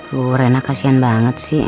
bu rena kasian banget sih